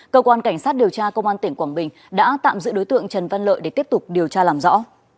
cơ quan cảnh sát điều tra công an tỉnh quảng bình đã tạm giữ đối tượng trần văn lợi để tiếp tục điều tra làm rõ